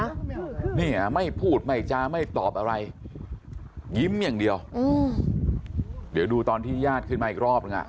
เนี่ยไม่พูดไม่จาไม่ตอบอะไรยิ้มอย่างเดียวอืมเดี๋ยวดูตอนที่ญาติขึ้นมาอีกรอบหนึ่งอ่ะ